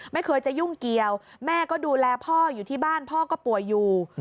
ไม่เคยจะยุ่งเกี่ยวแม่ก็ดูแลพ่ออยู่ที่บ้านพ่อก็ป่วยอยู่